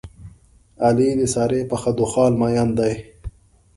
علي د سارې په خدو خال مین دی.